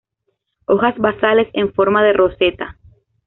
Hojas basales en forma de roseta.